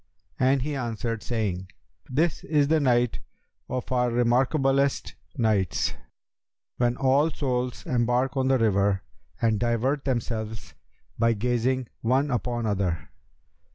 and he answered, saying, 'This is the night of our remarkablest nights, when all souls embark on the river and divert themselves by gazing one upon other.